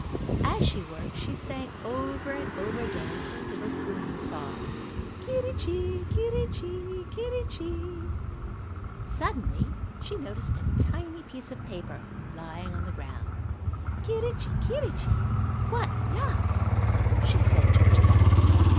As she worked she sang over and over again her little crooning song, "Quirrichi, quirrichi, quirrichi." Suddenly she noticed a tiny piece of paper lying on the ground. "Quirrichi, quirrichi, what luck!" she said to herself.